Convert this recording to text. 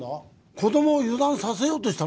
子供を油断させようとしたのかね？